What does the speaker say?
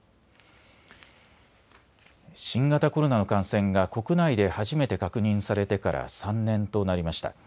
新型コロナの感染が国内で初めて確認されてから３年となりました。